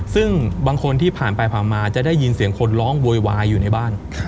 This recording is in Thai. ซึ่งบางคนที่ผ่านไปผ่านมาจะได้ยินเสียงคนร้องโวยวายอยู่ในบ้าน